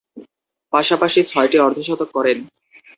পাশাপাশি ছয়টি অর্ধ-শতক করেন।